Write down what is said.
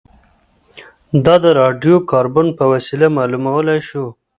دا د راډیو کاربن په وسیله معلومولای شو